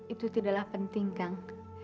itu tidaklah penting kang